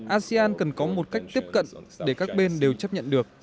asean cần có một cách tiếp cận để các bên đều chấp nhận được